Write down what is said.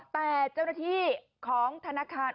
แต่เจ้าหน้าที่ของธนาคาร